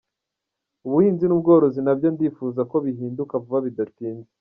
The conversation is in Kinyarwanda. Ubuhinzi n’ubworozi nabyo ndifuza ko bihinduka vuba bidatinze.